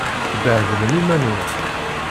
Tebbhedlem iman-nwen!